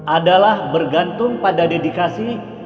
adalah bergantung pada dedikasi